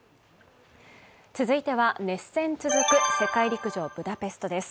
続いては、熱戦続く世界陸上ブダペストです。